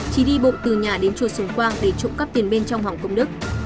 trí đi bộ từ nhà đến chùa sù quang để trộm cắp tiền bên trong hòm công đức